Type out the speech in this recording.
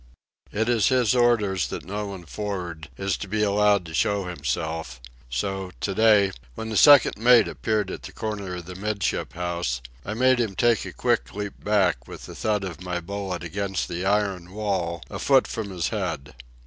It is his orders that no one for'ard is to be allowed to show himself, so, to day, when the second mate appeared at the corner of the 'midship house, I made him take a quick leap back with the thud of my bullet against the iron wall a foot from his head.